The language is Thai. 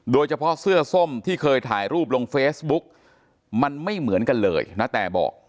โดยเฉพาะเสื้อส้มที่เคยถ่ายรูปลงเฟซบุ๊กมันไม่เหมือนกันเลยณแต่บอก